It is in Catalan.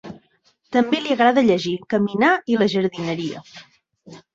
També li agrada llegir, caminar i la jardineria.